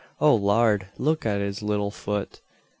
O Lard! Luk at his little fut!